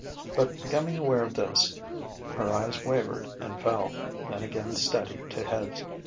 But becoming aware of this, her eyes wavered and fell, then again steadied to his.